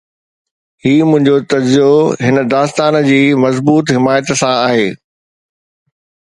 هي منهنجو تجزيو هن داستان جي مضبوط حمايت سان آهي